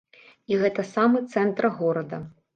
І гэта самы цэнтр горада.